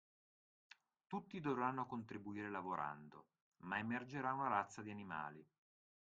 Tutti dovranno contribuire lavorando ma emergerà una razza di animali